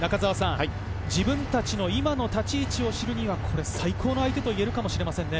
自分達の今の立ち位置を知るには最高の相手といえるかもしれません。